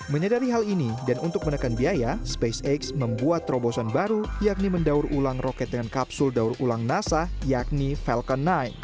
menyadari hal ini dan untuk menekan biaya spacex membuat terobosan baru yakni mendaur ulang roket dengan kapsul daur ulang nasa yakni falcon sembilan